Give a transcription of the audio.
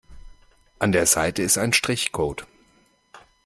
An der Seite ist ein Strichcode.